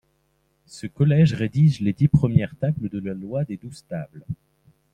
Ce collège rédige les dix premières tables de la loi des Douze Tables.